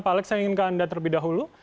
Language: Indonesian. pak alex saya inginkan anda terlebih dahulu